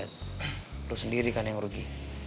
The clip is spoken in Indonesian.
karena lu sendiri kan yang rugi